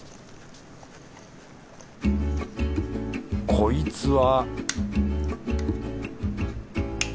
こいつは